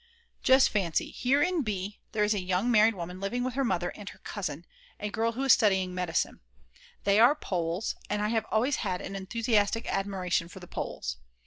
Just fancy. Here in B. there is a young married woman living with her mother and her cousin, a girl who is studying medicine; they are Poles and I have always had an enthusiastic admiration for the Poles.